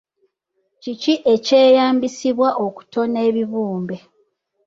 Kiki ekyeyambisibwa okutona ebibumbe?